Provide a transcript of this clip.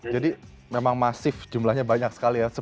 jadi memang masif jumlahnya banyak sekali ya